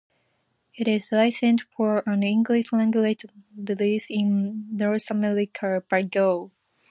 It is licensed for an English language release in North America by Go!